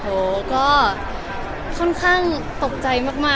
โหก็ค่อนข้างตกใจมาก